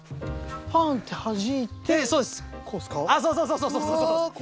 パン！ってはじいてこうっすか？